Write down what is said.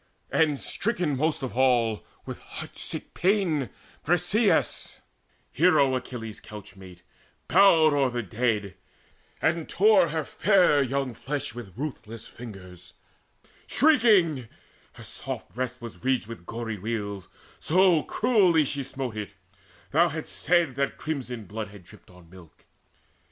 And stricken most of all with heart sick pain Briseis, hero Achilles' couchmate, bowed Over the dead, and tore her fair young flesh With ruthless fingers, shrieking: her soft breast Was ridged with gory weals, so cruelly She smote it thou hadst said that crimson blood Had dripped on milk.